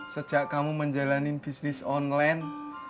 sejak kamu menjalani bisnis online